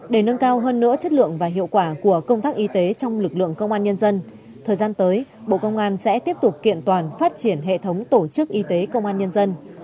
để nâng cao hơn nữa chất lượng và hiệu quả của công tác y tế trong lực lượng công an nhân dân thời gian tới bộ công an sẽ tiếp tục kiện toàn phát triển hệ thống tổ chức y tế công an nhân dân